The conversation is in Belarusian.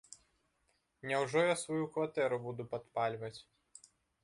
Няўжо я сваю кватэру буду падпальваць.